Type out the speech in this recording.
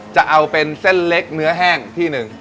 จะเอาเป็นเส้นเล็กเนื้อแห้งที่หนึ่ง